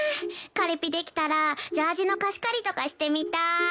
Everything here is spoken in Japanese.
彼ピできたらジャージの貸し借りとかしてみたい。